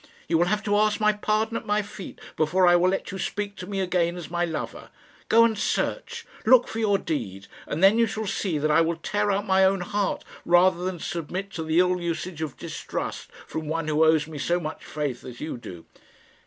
You will have to ask my pardon, at my feet, before I will let you speak to me again as my lover. Go and search. Look for your deed and then you shall see that I will tear out my own heart rather than submit to the ill usage of distrust from one who owes me so much faith as you do."